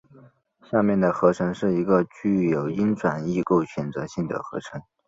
下面的合成是一个具有阻转异构选择性的合成。